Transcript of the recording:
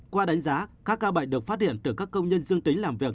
qua đánh giá các ca bệnh được phát hiện từ các công nhân dương tính làm việc